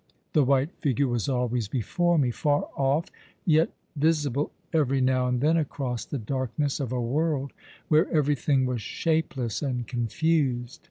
The white figure was always before me — far off— yet visible every now and then across the darkness of a world where every thing was shapeless and confused.